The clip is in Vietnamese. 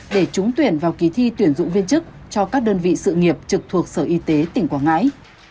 để trúng tuyển vào kỳ thi tuyển dụng viên chức cho các đơn vị sự nghiệp trực thuộc sở y tế tỉnh quảng ngãi